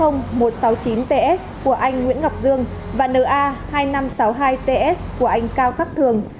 n a hai nghìn năm trăm sáu mươi hai ts của anh nguyễn ngọc dương và n a hai nghìn năm trăm sáu mươi hai ts của anh cao khắc thường